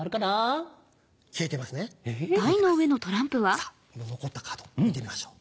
さぁこの残ったカード見てみましょう。